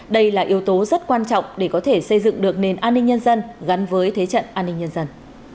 đây là yếu tố rất quan trọng để có thể xây dựng được nền an ninh nhân dân gắn với thế trận an ninh nhân dân